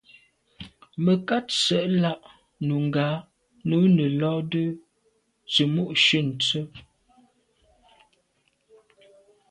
Mə̀kát sə̌ lá’ nùngá nǔ nə̀ lódə tsə̀mô shûn tsə́.